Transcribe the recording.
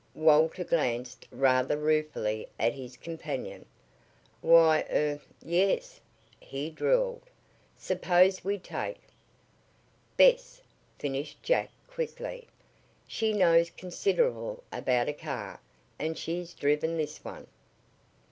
Walter glanced rather ruefully at his companion. "Why er yes," he drawled. "Suppose we take " "Bess," finished Jack, quickly. "She knows considerable about a car, and she's driven this one."